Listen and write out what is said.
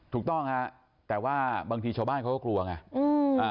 ถูกต้องฮะแต่ว่าบางทีชาวบ้านเขาก็กลัวไง